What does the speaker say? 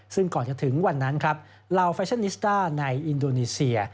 ซึ่งก่อนจะถึงวันนั้นครับลาวแฟชั่นนิสต้าในอินโดนีเซีย